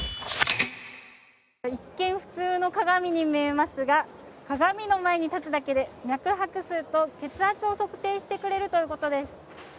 一見、普通の鏡に見えますが鏡の前に立つだけで脈拍数と血圧を測定してくれるということです。